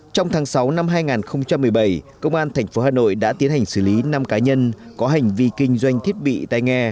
trong tháng sáu năm hai nghìn một mươi bảy công an tp hà nội đã tiến hành xử lý năm cá nhân có hành vi kinh doanh thiết bị tay nghe